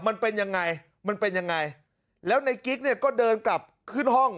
มันเป็นยังไงมันเป็นยังไงแล้วในกิ๊กเนี่ยก็เดินกลับขึ้นห้อง